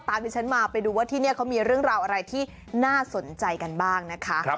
ที่ฉันมาไปดูว่าที่นี่เขามีเรื่องราวอะไรที่น่าสนใจกันบ้างนะคะ